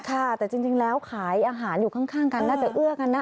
ค่ะแต่จริงแล้วขายอาหารอยู่ข้างกันน่าจะเอื้อกันนะ